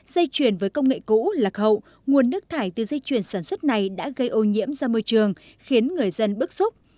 dây chuyển với công nghệ cũ lạc hậu nguồn nước thải từ dây chuyển sản xuất này đã gây ô nhiễm ra môi trường khiến người dân bức xúc